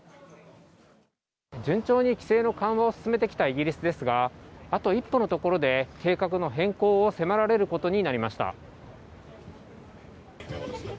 順調に規制の緩和を進めてきたイギリスですが、あと一歩のところで計画の変更を迫られることになりました。